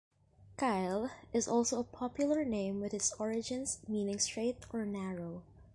Kyle is also a popular name with its origins meaning straight or narrow.